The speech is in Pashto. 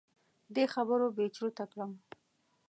دې خبرو بې چرته کړم.